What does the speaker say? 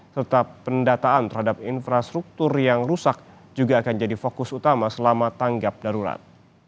serta pendataan terhadap infrastruktur yang rusak juga akan jadi fokus utama selama tanggap darurat